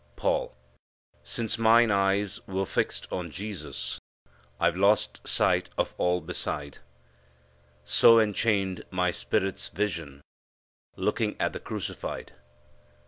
Paul. "Since mine eyes were fixed on Jesus, I've lost sight of all beside, So enchained my spirit's vision, Looking at the Crucified."